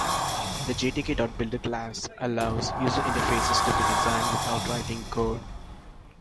The "Gtk.Builder class" allows user interfaces to be designed without writing code.